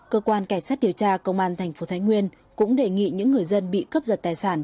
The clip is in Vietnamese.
cơ quan cảnh sát điều tra công an thành phố thái nguyên cũng đề nghị những người dân bị cướp giật tài sản